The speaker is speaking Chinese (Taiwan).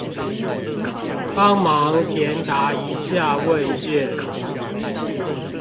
幫忙填答一下問卷